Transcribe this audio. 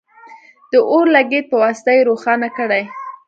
د اور لګیت په واسطه یې روښانه کړئ.